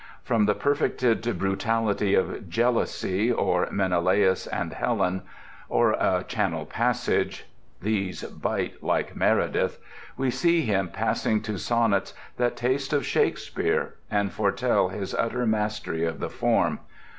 From the perfected brutality of Jealousy or Menelaus and Helen or A Channel Passage (these bite like Meredith) we see him passing to sonnets that taste of Shakespeare and foretell his utter mastery of the form.